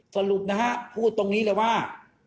สรุปนะฮะพูดตรงนี้เลยว่า